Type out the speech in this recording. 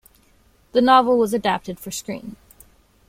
The novel was adapted for screen.